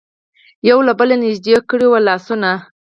یو له بله نژدې کړي وو لاسونه.